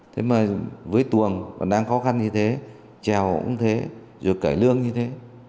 thế mà với tuồng còn đang khó khăn như thế trèo cũng thế rồi cải lương như thế